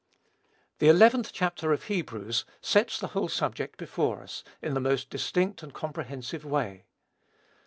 The eleventh chapter of Hebrews sets the whole subject before us, in the most distinct and comprehensive way.